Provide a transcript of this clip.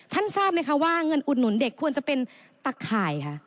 ทราบไหมคะว่าเงินอุดหนุนเด็กควรจะเป็นตะข่ายค่ะ